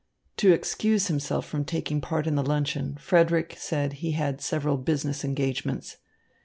To excuse himself from taking part in the luncheon, Frederick said he had several business engagements.